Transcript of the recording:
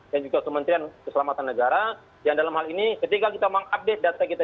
dan juga kementerian keselamatan negara yang dalam hal ini ketika kita mengupdate data kita